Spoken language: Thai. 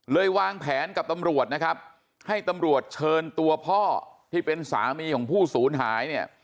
วางแผนกับตำรวจนะครับให้ตำรวจเชิญตัวพ่อที่เป็นสามีของผู้ศูนย์หายเนี่ย